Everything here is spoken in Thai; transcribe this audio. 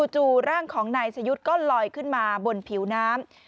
จู่ร่างของนายสยุทธ์ก็ลอยขึ้นมาบนผิวน้ำ